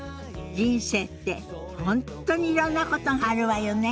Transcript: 人生って本当にいろんなことがあるわよね。